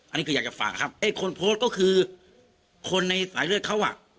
อันนี้คืออยากจะฝากครับไอ้คนโพสต์ก็คือคนในสายเลือดเขาอ่ะ